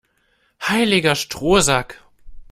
Heiliger Strohsack!